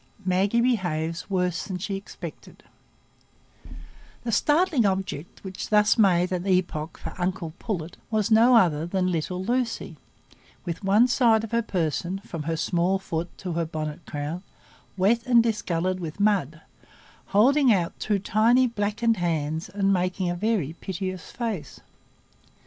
Maggie Behaves Worse Than She Expected The startling object which thus made an epoch for uncle Pullet was no other than little Lucy, with one side of her person, from her small foot to her bonnet crown, wet and discoloured with mud, holding out two tiny blackened hands, and making a very piteous face.